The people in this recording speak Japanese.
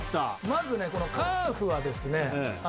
まずねこのＣａｌｆはですね